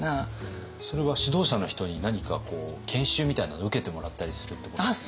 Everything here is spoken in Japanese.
それは指導者の人に何かこう研修みたいなのを受けてもらったりするってことですか？